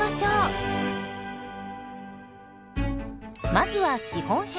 まずは基本編。